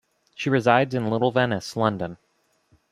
She resides in Little Venice, London.